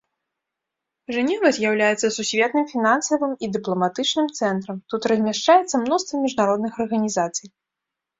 Жэнева з'яўляецца сусветным фінансавым і дыпламатычным цэнтрам, тут размяшчаецца мноства міжнародных арганізацый.